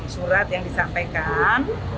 enam surat yang disampaikan